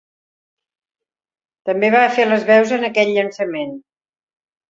També va fer les veus en aquell llançament.